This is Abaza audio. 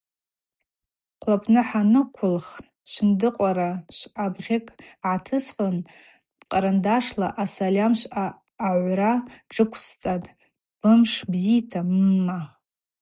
Хъвлапны хӏаныквылх сшвындыкъвара швъабгъьыкӏ гӏатысхын къарандашла асальамшвъа агӏвра джвыквсцӏатӏ: Бымш бзита, мма.